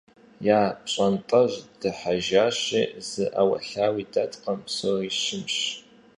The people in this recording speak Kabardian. Я пщӀантӀэжь дыхьэжащи зы Ӏэуэлъауи дэткъым, псори щымщ.